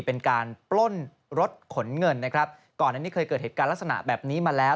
เป็นการปล้นรถขนเงินนะครับก่อนอันนี้เคยเกิดเหตุการณ์ลักษณะแบบนี้มาแล้ว